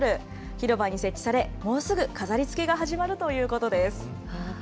広場に設置され、もうすぐ飾りつけが始まるということです。